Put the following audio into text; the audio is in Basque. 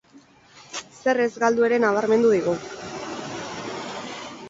Zer ez galdu ere nabarmendu digu!